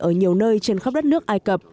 ở nhiều nơi trên khắp đất nước ai cập